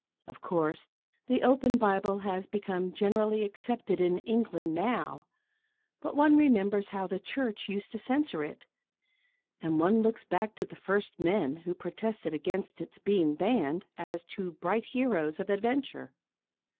Of course, the open Bible has become generally accepted in England now, but one remembers how the Church used to censor it, and one looks back to the first men who protested against its being banned as to bright heroes of adventure.